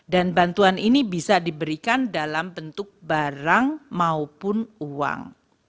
dan bantuan ini bisa diberikan dalam bentuk barang maupun perusahaan